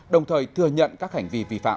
đồng thời thừa nhận các hành vi vi phạm